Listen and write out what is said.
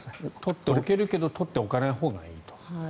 取っておけるけど取っておかないほうがいいと。